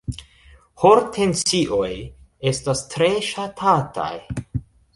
Hortensioj estas tre ŝatataj.